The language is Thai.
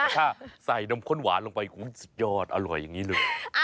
ถ้าใส่นมข้นหวานลงไปสุดยอดอร่อยอย่างนี้เลย